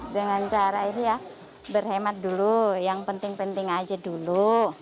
dengan cara ini ya berhemat dulu yang penting penting aja dulu